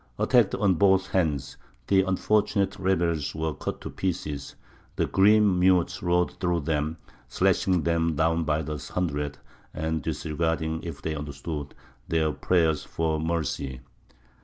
Attacked on both hands, the unfortunate rebels were cut to pieces; the grim Mutes rode through them, slashing them down by the hundred, and disregarding, if they understood, their prayers for mercy.